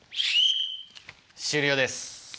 終了です。